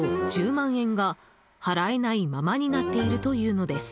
１０万円が払えないままになっているというのです。